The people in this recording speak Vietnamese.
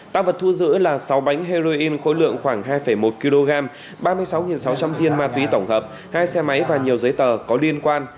tăng vật thu giữ là sáu bánh heroin khối lượng khoảng hai một kg ba mươi sáu sáu trăm linh viên ma túy tổng hợp hai xe máy và nhiều giấy tờ có liên quan